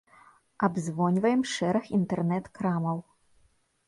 Абзвоньваем шэраг інтэрнэт крамаў.